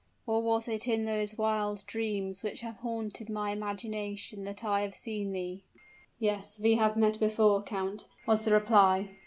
or was it in those wild dreams which have haunted my imagination that I have seen thee?" "Yes we have met before, count," was the reply.